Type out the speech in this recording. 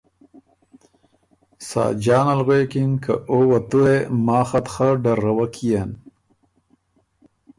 ساجان ال غوېکِن که او وه تُو هې ماخت خه ډروک يېن